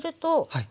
はい。